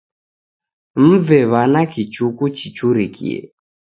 Mve w'ana kichuku chichurikie